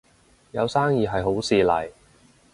有生意係好事嚟